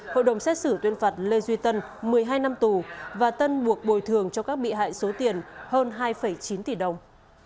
hội đồng xét xử tuyên phạt lê duy tân một mươi hai năm tù và tân buộc bồi thường cho các bị hại số tiền hơn hai chín tỷ đồng